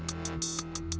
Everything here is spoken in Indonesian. jangan kabur lo